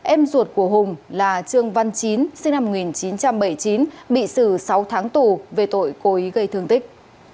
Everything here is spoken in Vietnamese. em ruột của hùng là trương văn chín sinh năm một nghìn chín trăm bảy mươi chín bị xử sáu tháng tù về tội cố ý gây thương tích